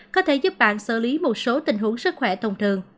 có thể giúp bạn xử lý một số tình huống sức khỏe thông thường